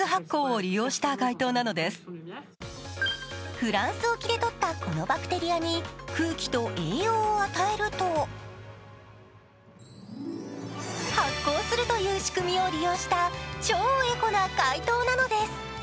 フランスで起きでとったこのバクテリアに空気と栄養を与えると発光するという仕組みを利用した超エコな街灯なのです。